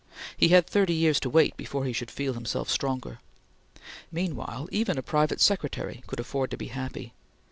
He had thirty years to wait before he should feel himself stronger. Meanwhile even a private secretary could afford to be happy.